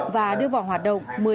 và đưa vào hoạt động